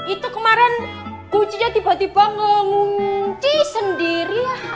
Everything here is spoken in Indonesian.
itu kemarin kuncinya tiba tiba nge ngunci sendiri